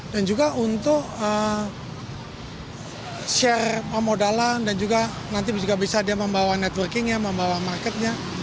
dan juga untuk share pemodalan dan juga nanti juga bisa dia membawa networkingnya membawa marketnya